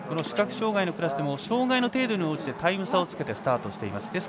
視覚障がいのクラスでも障がいの程度に応じてタイム差をつけてスタートしています。